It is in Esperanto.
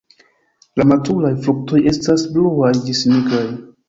La maturaj fruktoj estas bluaj ĝis nigraj.